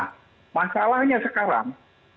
nah masalahnya sekarang